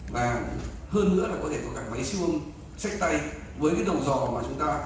và hơn nữa là có thể có cả máy siêu sách tay với cái đầu dò mà chúng ta